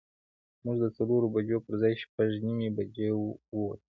موږ د څلورو بجو پر ځای شپږ نیمې بجې ووتو.